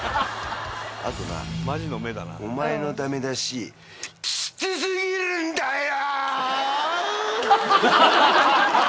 あとなお前の駄目出しきつ過ぎるんだよ。